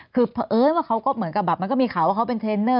คือเพราะเอิญว่าเขาก็เหมือนกับแบบมันก็มีข่าวว่าเขาเป็นเทรนเนอร์